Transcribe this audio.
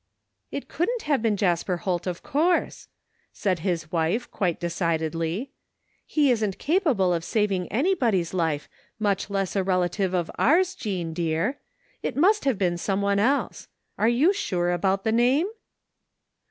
" It couldn't have been Jasper Holt, of course," said his wife quite decidedly. " He isn't capable of saving anybody's life, much less a relative of ours, Jean dear. It must hav^ been some one else. Are you sure about the name?